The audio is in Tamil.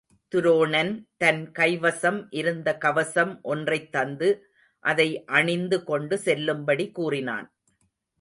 துரோணன் தன் கைவசம் இருந்த கவசம் ஒன்றைத் தந்து அதை அணிந்து கொண்டு செல்லும்படி கூறினான்.